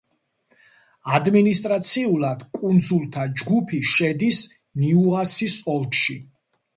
ადმინისტრაციულად კუნძულთა ჯგუფი შედის ნიუასის ოლქში.